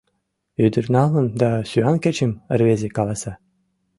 Ӱдыр налмым да сӱан кечым рвезе каласа.